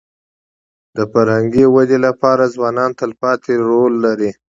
د فرهنګي ودې لپاره ځوانان تلپاتې رول لري.